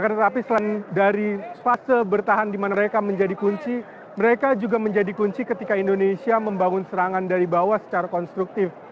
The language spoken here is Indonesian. tetapi selain dari fase bertahan di mana mereka menjadi kunci mereka juga menjadi kunci ketika indonesia membangun serangan dari bawah secara konstruktif